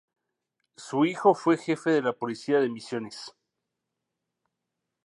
Su hijo fue jefe de la Policía de Misiones.